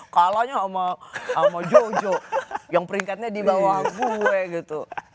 kalanya sama jojo yang peringkatnya di bawah gue gitu